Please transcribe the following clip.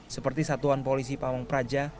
seperti satuan polisi pamung praja